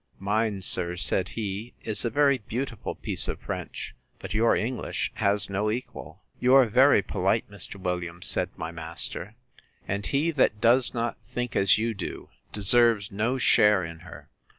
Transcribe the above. Mine, sir, said he, is a very beautiful piece of French: but your English has no equal. You are very polite, Mr. Williams, said my master: And he that does not think as you do, deserves no share in her.